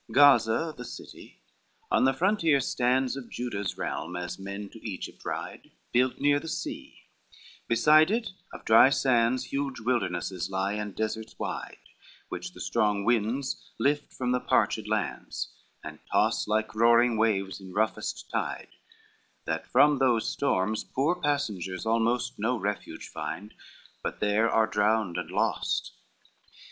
I Gaza the city on the frontier stands Of Juda's realm, as men to Egypt ride, Built near the sea, beside it of dry sands Huge wildernesses lie and deserts wide Which the strong winds lift from the parched lands And toss like roaring waves in roughest tide, That from those storms poor passengers almost No refuge find, but there are drowned and lost.